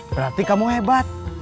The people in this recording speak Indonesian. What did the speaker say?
berarti kamu hebat